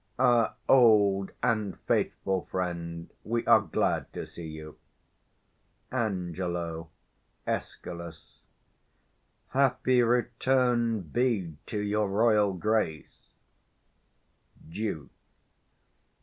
Our old and faithful friend, we are glad to see you. Ang. } Happy return be to your royal Grace! Escal.} _Duke.